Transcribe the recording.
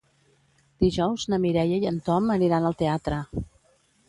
Dijous na Mireia i en Tom aniran al teatre.